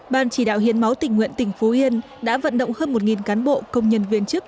ban chỉ đạo hiến máu tỉnh nguyện tỉnh phú yên đã vận động hơn một cán bộ công nhân viên chức